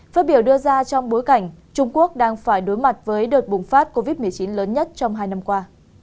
phát biểu đưa ra trong bối cảnh trung quốc đang phải đối mặt với đợt bùng phát covid một mươi chín lớn nhất trong hai năm qua